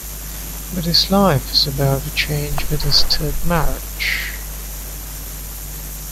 But his life was about to change with his third marriage.